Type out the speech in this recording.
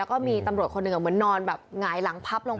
แล้วก็มีตำรวจคนเหงื่อเหมือนนอนงายหลังมันพับลง